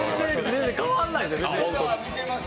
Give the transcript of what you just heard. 全然変わらないです。